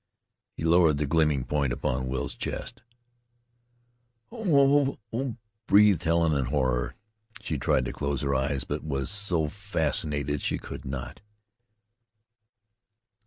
He lowered the gleaming point upon Will's chest. "Oh h h!" breathed Helen in horror. She tried to close her eyes but was so fascinated she could not.